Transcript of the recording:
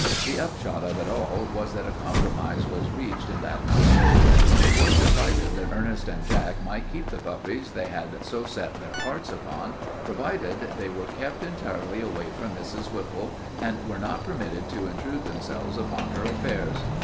The upshot of it all was that a compromise was reached in that household. It was decided that Ernest and Jack might keep the puppies they had so set their hearts upon provided they were kept entirely away from Mrs. Whipple and were not permitted to intrude themselves upon her affairs.